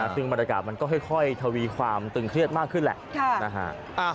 ซึ่งบรรยากาศมันก็ค่อยทวีความตึงเครียดมากขึ้นแหละ